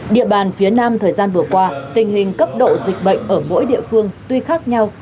địa bàn phía nam thời gian vừa qua tình hình cấp độ dịch bệnh ở mỗi địa phương tuy khác nhau